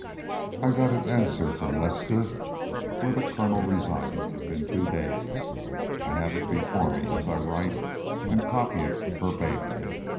I got an answer from Leicester, where the Colonel resided, within two days. I have it before me as I write, and copy it verbatim.